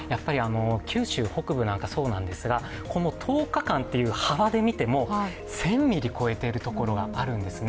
九州北部なんかそうなんですがず、この１０日間という幅で見ても１０００ミリ超えているところがあるんですね。